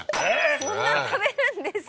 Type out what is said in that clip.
そんなに食べるんですか。